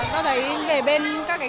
sau đấy về bên các cái